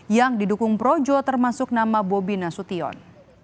yang didukung projo termasuk nama bobi nasution